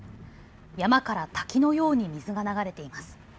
山から滝のように水が流れています。